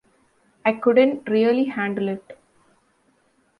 I couldn't really handle it.